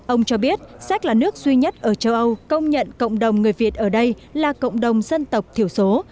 ông cho biết sách là nước duy nhất ở châu âu công nhận cộng đồng người việt ở đây là cộng đồng dân tộc thiểu số